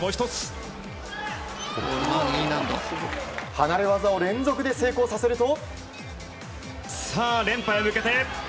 離れ技を連続で成功させると。